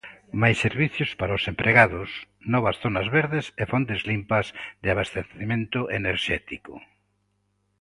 Máis servizos para os empregados, novas zonas verdes e fontes limpas de abastecemento enerxético.